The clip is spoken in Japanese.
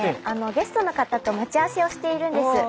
ゲストの方と待ち合わせをしているんです。